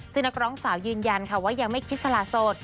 ซึ่งนักร้องสาวยืนยันค่ะว่ายังไม่คิดสละโสด